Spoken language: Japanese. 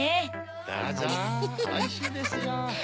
どうぞおいしいですよ。